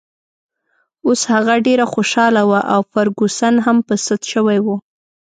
اوس هغه ډېره خوشحاله وه او فرګوسن هم په سد شوې وه.